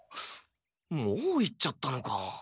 もう行っちゃったのか。